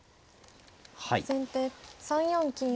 先手３四金打。